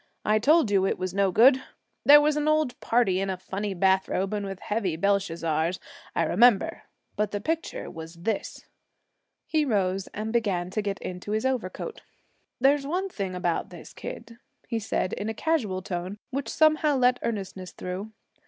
I told you it was no good. There was an old party in a funny bathrobe and with heavy Belshazzars, I remember but the picture was this.' He rose and began to get into his overcoat. 'There's one thing about this kid,' he said, in a casual tone which somehow let earnestness through.